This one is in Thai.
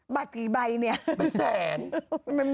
บัตรกี่ใบนี่ไม่แสน